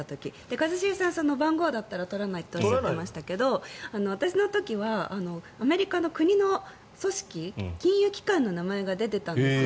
一茂さんは番号だったら取らないとおっしゃっていましたけど私の時はアメリカの国の組織金融機関の名前が出ていたんですよ。